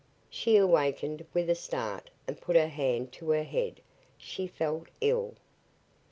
She awakened with a start and put her hand to her head. She felt ill.